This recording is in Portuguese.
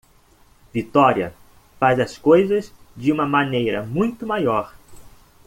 Victoria faz as coisas de uma maneira muito maior.